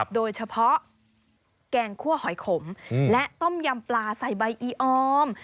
โดยเฉพาะแกงคั่วหอยขมและต้มยำปลาใส่ใบอีออม